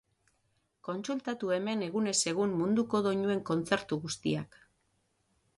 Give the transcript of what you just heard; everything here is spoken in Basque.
Kontsultatu hemen egunez egun munduko doinuen kontzertu guztiak.